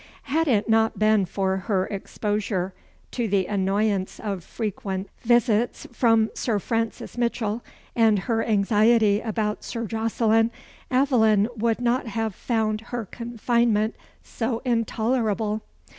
Had it not been for her exposure to the annoyance of frequent from Sir Francis Mitchell, and her anxiety about Sir Jocelyn, Aveline would not have found her confinement so intolerable.